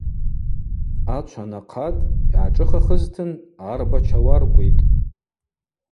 Ачва нахъатӏ, йгӏашӏыхахызтын – арба чауаркӏвитӏ.